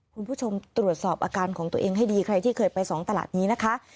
คุณผู้ชมตรวจสอบอาการของตัวเองให้ดีใครที่เคยไปสองตลาดนี้นะคะ